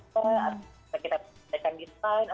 bekerja kita bisa berjalan di sana